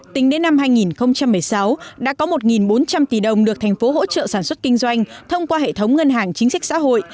tính đến năm hai nghìn một mươi sáu đã có một bốn trăm linh tỷ đồng được thành phố hỗ trợ sản xuất kinh doanh thông qua hệ thống ngân hàng chính sách xã hội